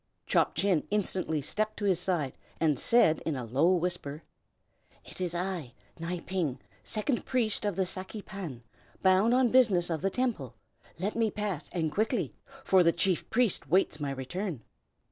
Chop Chin instantly stepped to his side, and said in a low whisper, "It is I, Nai Ping, second priest of the Saki Pan, bound on business of the Temple. Let me pass, and quickly, for the chief priest waits my return."